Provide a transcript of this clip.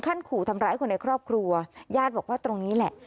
ขู่ทำร้ายคนในครอบครัวญาติบอกว่าตรงนี้แหละ